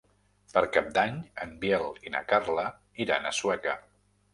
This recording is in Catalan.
Per Cap d'Any en Biel i na Carla iran a Sueca.